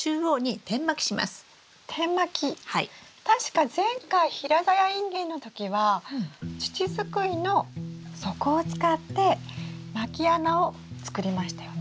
確か前回平ざやインゲンの時は土すくいの底を使ってまき穴を作りましたよね。